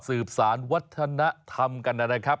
สืบสารวัฒนธรรมกันนะครับ